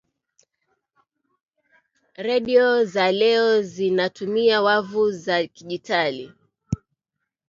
redio za leo zinatumia wavu za dijitali